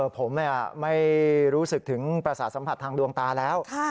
ผมไม่รู้สึกถึงประสาทสัมผัสทางดวงตาแล้ว